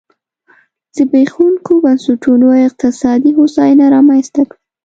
زبېښونکو بنسټونو اقتصادي هوساینه رامنځته کړه.